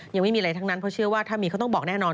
ยังไม่มีอะไรทั้งนั้นเพราะเชื่อว่าถ้ามีเขาต้องบอกแน่นอน